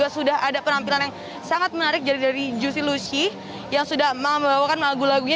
sudah ada penampilan yang sangat menarik dari juicy lucchi yang sudah membawakan lagu lagunya